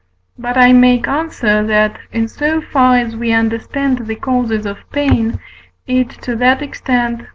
But I make answer, that, in so far as we understand the causes of pain, it to that extent (V.